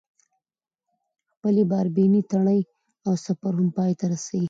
خپلې باربېنې تړي او سفر هم پاى ته رسي.